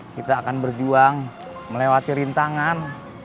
kita akan berjuang melewati rintangan